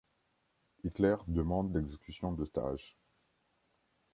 Hitler demande l'exécution d'otages.